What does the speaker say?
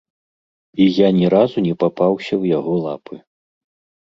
І я ні разу не папаўся ў яго лапы.